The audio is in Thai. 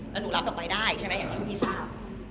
แล้วหนูรับออกไปได้ใช่ไหมอย่างที่คุณพี่ทราบ